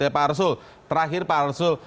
ya pak arsul terakhir pak arsul